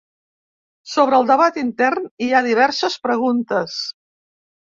Sobre el debat intern, hi ha diverses preguntes.